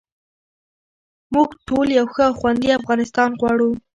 موږ ټول یو ښه او خوندي افغانستان غواړو.